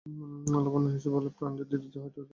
লাবণ্য হেসে বললে, প্রাণ যদি দিতেই হয় তো সাবধানে দেবেন।